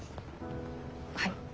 はい。